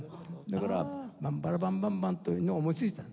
だから「バンバラバンバンバン」というのを思いついた。